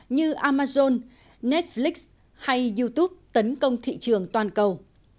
như amazon netflix hay youtube tấn công thị trường toàn cầu